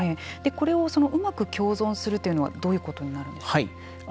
これをうまく共存するというのはどういうことになるんでしょう。